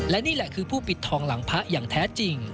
และนี่แหละคือผู้ปิดทองหลังพระอย่างแท้จริง